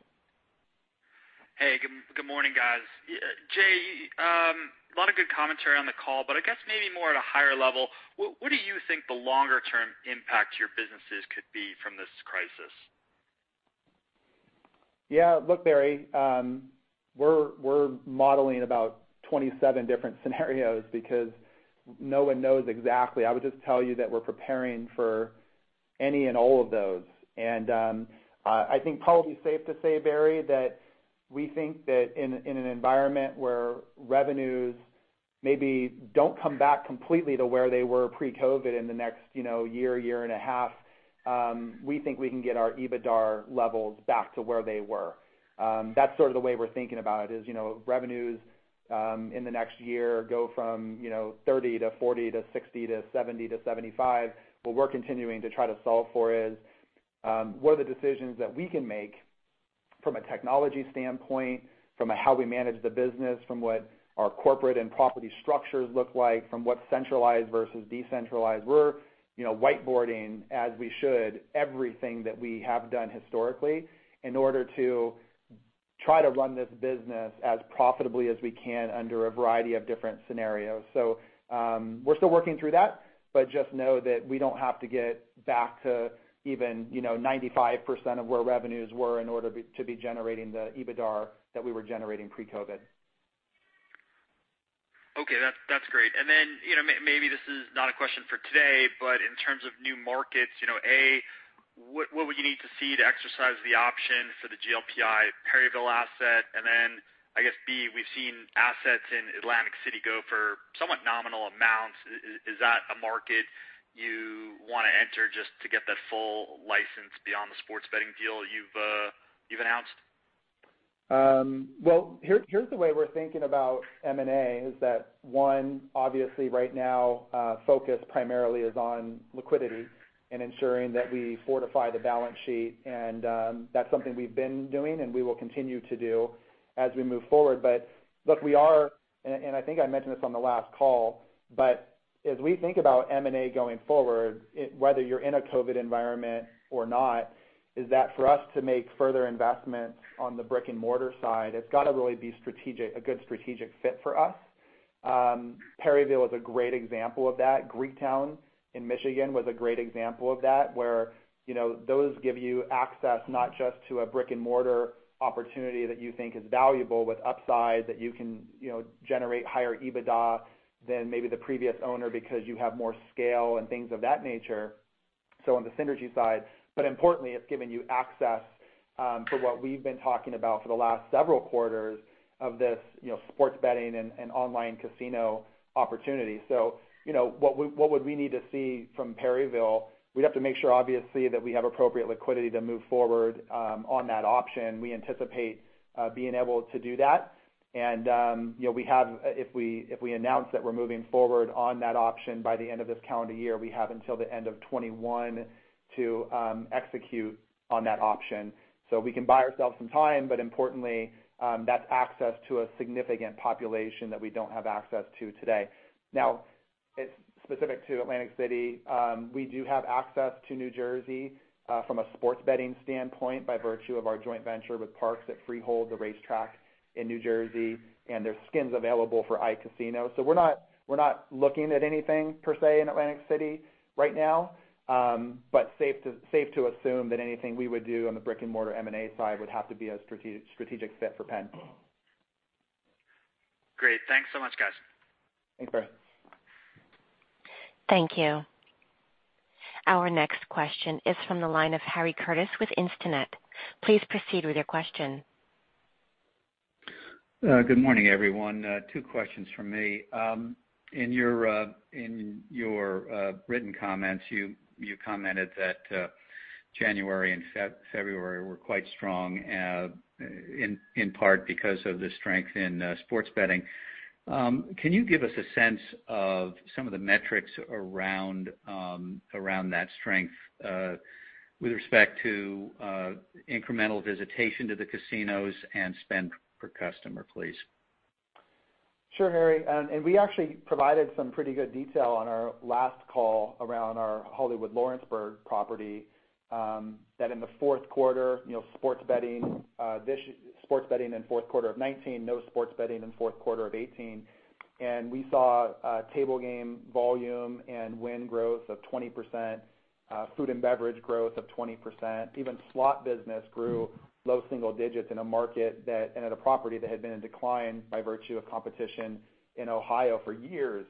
Hey, good morning, guys. Jay, a lot of good commentary on the call, I guess maybe more at a higher level, what do you think the longer-term impact to your businesses could be from this crisis? Yeah. Look, Barry, we're modeling about 27 different scenarios because no one knows exactly. I would just tell you that we're preparing for any and all of those. I think probably safe to say, Barry, that we think that in an environment where revenues maybe don't come back completely to where they were pre-COVID in the next year and a half, we think we can get our EBITDAR levels back to where they were. That's sort of the way we're thinking about it is, revenues in the next year go from 30 to 40 to 60 to 70 to 75. What we're continuing to try to solve for is, what are the decisions that we can make from a technology standpoint, from a how we manage the business, from what our corporate and property structures look like, from what's centralized versus decentralized. We're whiteboarding, as we should, everything that we have done historically in order to try to run this business as profitably as we can under a variety of different scenarios. We're still working through that, but just know that we don't have to get back to even 95% of where revenues were in order to be generating the EBITDAR that we were generating pre-COVID. Okay. That's great. Maybe this is not a question for today, but in terms of new markets, A, what would you need to see to exercise the option for the GLPI Perryville asset? I guess B, we've seen assets in Atlantic City go for somewhat nominal amounts. Is that a market you want to enter just to get that full license beyond the sports betting deal you've announced? Well, here's the way we're thinking about M&A is that, one, obviously right now, focus primarily is on liquidity and ensuring that we fortify the balance sheet. That's something we've been doing and we will continue to do as we move forward. Look, we are, and I think I mentioned this on the last call, but as we think about M&A going forward, whether you're in a COVID-19 environment or not, is that for us to make further investments on the brick-and-mortar side, it's got to really be a good strategic fit for us. Perryville is a great example of that. Greektown in Michigan was a great example of that, where those give you access not just to a brick-and-mortar opportunity that you think is valuable with upside that you can generate higher EBITDA than maybe the previous owner because you have more scale and things of that nature. On the synergy side. Importantly, it's given you access to what we've been talking about for the last several quarters of this sports betting and online casino opportunity. What would we need to see from Perryville? We'd have to make sure, obviously, that we have appropriate liquidity to move forward on that option. We anticipate being able to do that. If we announce that we're moving forward on that option by the end of this calendar year, we have until the end of 2021 to execute on that option. We can buy ourselves some time, but importantly, that's access to a significant population that we don't have access to today. It's specific to Atlantic City. We do have access to New Jersey, from a sports betting standpoint, by virtue of our joint venture with Parx that Freehold the racetrack in New Jersey, and there's skins available for iCasino. We're not looking at anything per se in Atlantic City right now. Safe to assume that anything we would do on the brick-and-mortar M&A side would have to be a strategic fit for Penn. Great. Thanks so much, guys. Thanks, Barry. Thank you. Our next question is from the line of Harry Curtis with Instinet. Please proceed with your question. Good morning, everyone. Two questions from me. In your written comments, you commented that January and February were quite strong, in part because of the strength in sports betting. Can you give us a sense of some of the metrics around that strength, with respect to incremental visitation to the casinos and spend per customer, please? Sure, Harry. We actually provided some pretty good detail on our last call around our Hollywood Lawrenceburg property, that in the fourth quarter, sports betting in fourth quarter of 2019, no sports betting in fourth quarter of 2018, and we saw table game volume and win growth of 20%, food and beverage growth of 20%, even slot business grew low single digits in a market and at a property that had been in decline by virtue of competition in Ohio for years.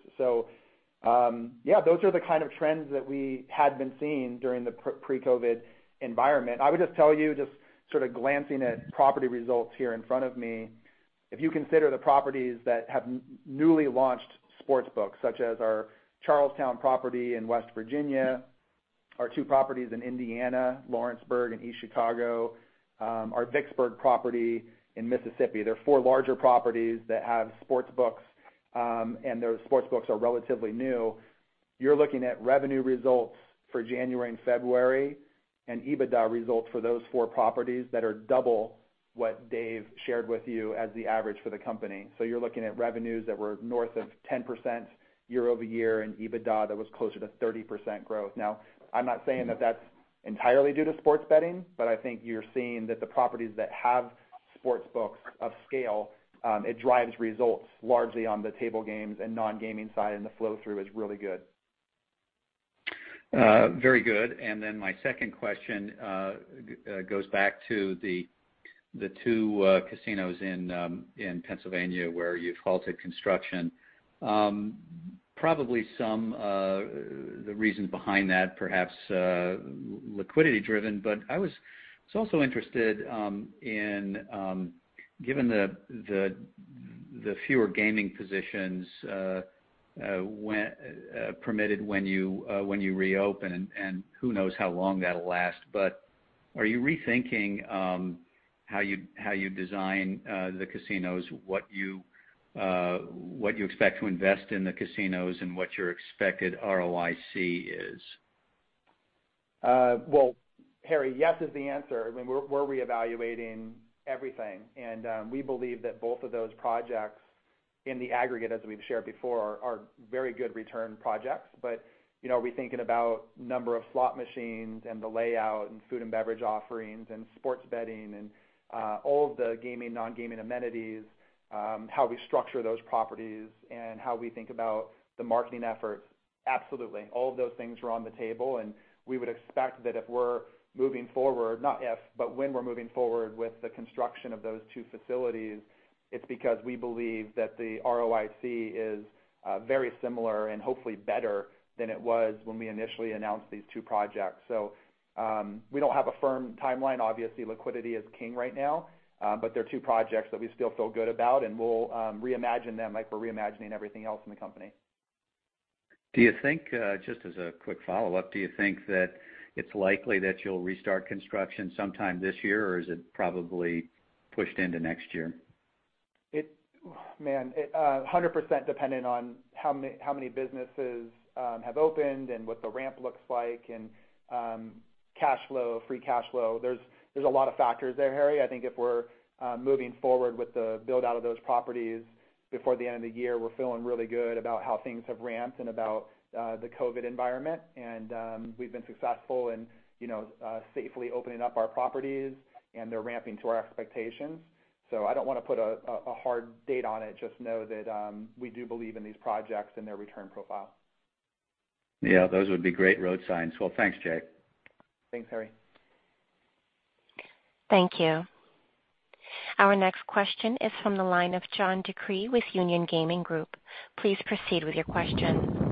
Yeah, those are the kind of trends that we had been seeing during the pre-COVID environment. I would just tell you, just sort of glancing at property results here in front of me, if you consider the properties that have newly launched sports books, such as our Charles Town property in West Virginia, our two properties in Indiana, Lawrenceburg and East Chicago, our Vicksburg property in Mississippi. They're four larger properties that have sports books, and those sports books are relatively new. You're looking at revenue results for January and February and EBITDA results for those four properties that are double what Dave shared with you as the average for the company. You're looking at revenues that were north of 10% year-over-year and EBITDA that was closer to 30% growth. Now, I'm not saying that that's entirely due to sports betting, but I think you're seeing that the properties that have sports books of scale, it drives results largely on the table games and non-gaming side, and the flow through is really good. Very good. My second question goes back to the two casinos in Pennsylvania where you've halted construction. Probably some of the reasons behind that, perhaps liquidity driven. I was also interested in, given the fewer gaming positions permitted when you reopen, and who knows how long that'll last, but are you rethinking how you design the casinos, what you expect to invest in the casinos, and what your expected ROIC is? Well, Harry, yes is the answer. I mean, we're reevaluating everything, and we believe that both of those projects, in the aggregate, as we've shared before, are very good return projects. Are we thinking about number of slot machines and the layout and food and beverage offerings and sports betting and all of the gaming, non-gaming amenities, how we structure those properties and how we think about the marketing efforts? Absolutely. All of those things are on the table, and we would expect that if we're moving forward, not if, but when we're moving forward with the construction of those two facilities, it's because we believe that the ROIC is very similar and hopefully better than it was when we initially announced these two projects. We don't have a firm timeline. Obviously, liquidity is king right now. They're two projects that we still feel good about, and we'll reimagine them like we're reimagining everything else in the company. Do you think, just as a quick follow-up, do you think that it's likely that you'll restart construction sometime this year, or is it probably pushed into next year? Man, 100% dependent on how many businesses have opened and what the ramp looks like and cash flow, free cash flow. There's a lot of factors there, Harry. I think if we're moving forward with the build-out of those properties before the end of the year, we're feeling really good about how things have ramped and about the COVID environment, and we've been successful in safely opening up our properties, and they're ramping to our expectations. I don't want to put a hard date on it. Just know that we do believe in these projects and their return profile. Yeah, those would be great road signs. Well, thanks, Jay. Thanks, Harry. Thank you. Our next question is from the line of John DeCree with Union Gaming Group. Please proceed with your question.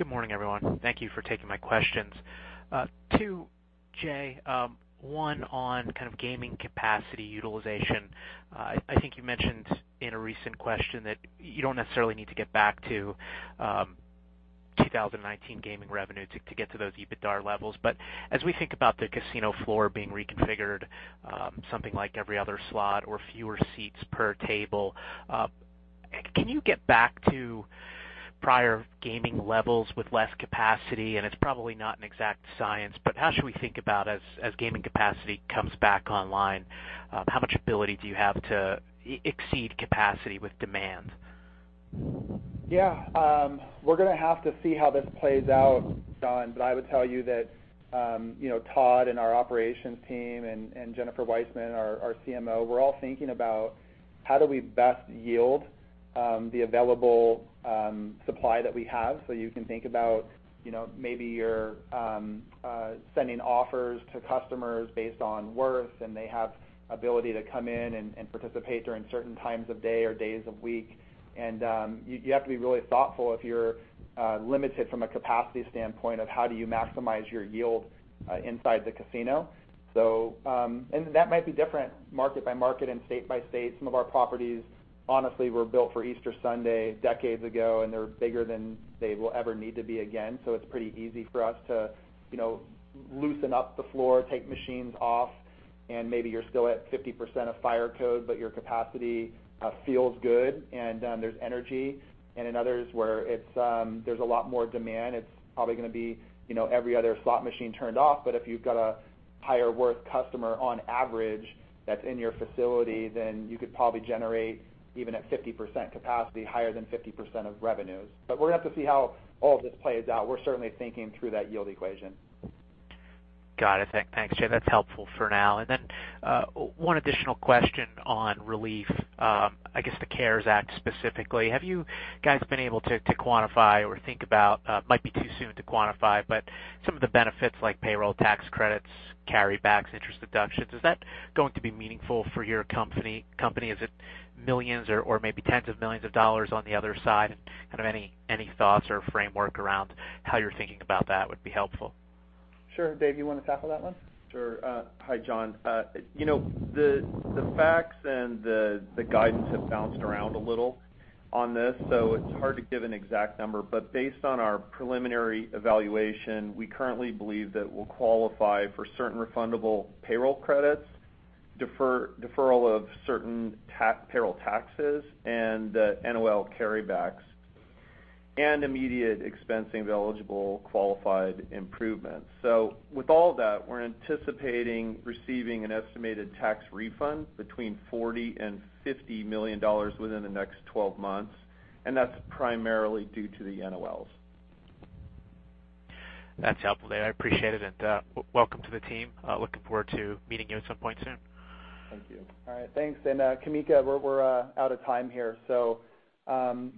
Good morning, everyone. Thank you for taking my questions. Two, Jay. One on kind of gaming capacity utilization. I think you mentioned in a recent question that you don't necessarily need to get back to 2019 gaming revenue to get to those EBITDA levels. As we think about the casino floor being reconfigured, something like every other slot or fewer seats per table, can you get back to prior gaming levels with less capacity? It's probably not an exact science, but how should we think about as gaming capacity comes back online, how much ability do you have to exceed capacity with demand? Yeah. We're going to have to see how this plays out, John, but I would tell you that Todd and our operations team and Jennifer Weissman, our CMO, we're all thinking about how do we best yield the available supply that we have. You can think about maybe you're sending offers to customers based on worth, and they have ability to come in and participate during certain times of day or days of week. You have to be really thoughtful if you're limited from a capacity standpoint of how do you maximize your yield inside the casino. That might be different market by market and state by state. Some of our properties, honestly, were built for Easter Sunday decades ago, and they're bigger than they will ever need to be again. It's pretty easy for us to loosen up the floor, take machines off, and maybe you're still at 50% of fire code, but your capacity feels good and there's energy. In others where there's a lot more demand, it's probably going to be every other slot machine turned off, but if you've got a higher worth customer on average that's in your facility, then you could probably generate, even at 50% capacity, higher than 50% of revenues. We're going to have to see how all of this plays out. We're certainly thinking through that yield equation. Got it. Thanks, Jay. That's helpful for now. One additional question on relief. I guess the CARES Act, specifically. Have you guys been able to quantify or think about, might be too soon to quantify, but some of the benefits like payroll tax credits, carrybacks, interest deductions, is that going to be meaningful for your company? Is it millions or maybe tens of millions dollars on the other side? Any thoughts or framework around how you're thinking about that would be helpful. Sure. Dave, you want to tackle that one? Sure. Hi, John. The facts and the guidance have bounced around a little on this, it's hard to give an exact number. Based on our preliminary evaluation, we currently believe that we'll qualify for certain refundable payroll credits, deferral of certain payroll taxes, and NOL carrybacks, and immediate expensing of eligible qualified improvements. With all that, we're anticipating receiving an estimated tax refund between $40 million and $50 million within the next 12 months, and that's primarily due to the NOLs. That's helpful, Dave. I appreciate it, and welcome to the team. Looking forward to meeting you at some point soon. Thank you. All right. Thanks. Kamika, we're out of time here.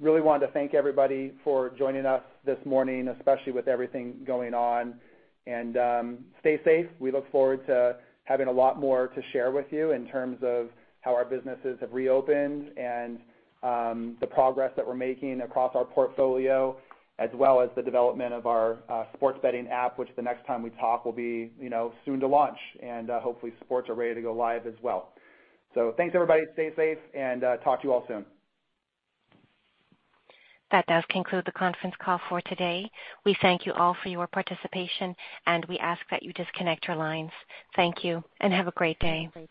Really wanted to thank everybody for joining us this morning, especially with everything going on. Stay safe. We look forward to having a lot more to share with you in terms of how our businesses have reopened and the progress that we're making across our portfolio, as well as the development of our sports betting app, which the next time we talk will be soon to launch. Hopefully sports are ready to go live as well. Thanks, everybody. Stay safe, and talk to you all soon. That does conclude the conference call for today. We thank you all for your participation, and we ask that you disconnect your lines. Thank you, and have a great day.